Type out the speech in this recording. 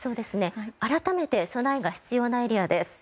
改めて備えが必要なエリアです。